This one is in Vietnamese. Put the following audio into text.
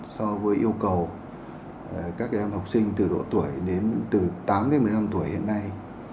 so với yêu cầu các em học sinh từ độ tuổi đến từ tám đến một mươi năm tuổi hiện nay